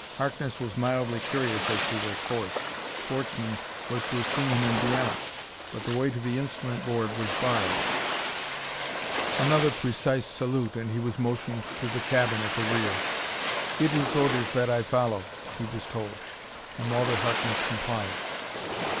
Harkness was mildly curious as to their course Schwartzmann was to have seen him in Vienna but the way to the instrument board was barred. Another precise salute, and he was motioned to the cabin at the rear. "It is orders that I follow," he was told. And Walter Harkness complied.